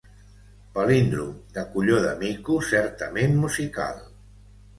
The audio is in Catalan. Palíndrom de colló de mico certament musical.